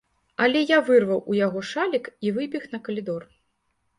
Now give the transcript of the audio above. Але я вырваў у яго шалік і выбег на калідор.